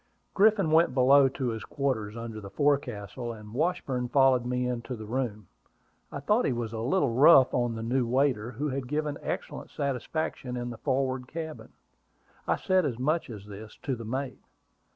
Griffin went below to his quarters under the forecastle, and Washburn followed me into the room. I thought he was a little rough on the new waiter, who had given excellent satisfaction in the forward cabin. I said as much as this to the mate.